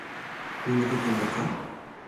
Hoe liket jim dat ta?